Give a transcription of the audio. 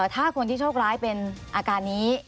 ถ้าคนที่โชคร้ายเป็นอาการนี้